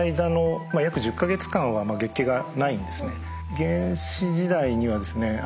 原始時代にはですね